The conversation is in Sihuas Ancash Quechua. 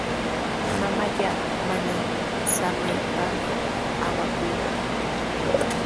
Mamallaa mana samaypami awakuykan.